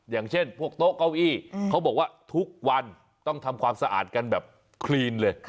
อย่างเช่นพวกโต๊ะเก้าอี้เขาบอกว่าทุกวันต้องทำความสะอาดกันแบบคลีนเลย